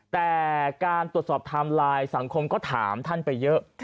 แต่การตรวจสอบไทม์ไลน์สังคมก็ถามท่านไปเยอะ